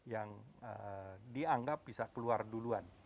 yang dianggap bisa keluar duluan